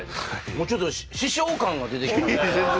もうちょっと師匠感が出てきました